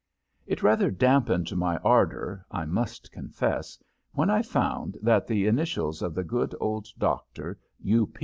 It rather dampened my ardor, I must confess, when I found that the initials of the good old doctor, U.